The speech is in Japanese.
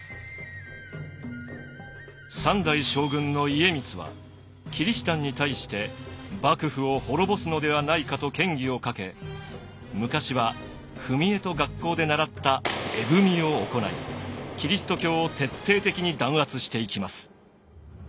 三代将軍の家光はキリシタンに対して幕府を滅ぼすのではないかと嫌疑をかけ昔は踏み絵と学校で習った絵踏を行いキリスト教を徹底的に弾圧していきます。